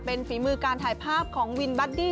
เป็นฝีมือการถ่ายภาพของวินบัดดี้